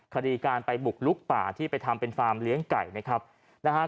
คดีการไปบุกลุกป่าที่ไปทำเป็นฟาร์มเลี้ยงไก่นะครับนะฮะ